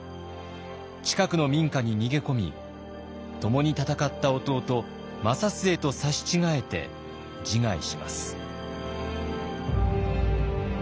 近くの民家に逃げ込み共に戦った弟正季と刺し違えて自害します。